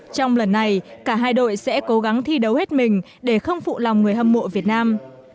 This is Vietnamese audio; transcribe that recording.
trong lần này cả hai đội sẽ cố gắng thi đấu hết mình để không phụ lòng người hâm mộ việt nam